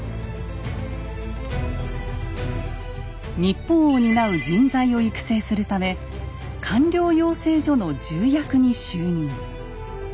日本を担う人材を育成するため官僚養成所の重役に就任。